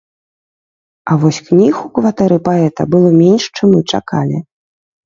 А вось кніг у кватэры паэта было менш, чым мы чакалі.